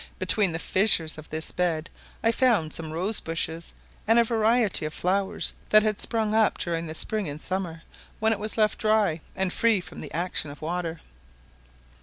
Between the fissures of this bed I found some rosebushes, and a variety of flowers that had sprung up during the spring and summer, when it was left dry, and free from the action of the water.